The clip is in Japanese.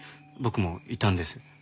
僕もいたんです。